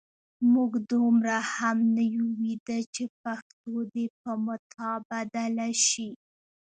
موږ دومره هم نه یو ویده چې پښتو دې په متاع بدله شي.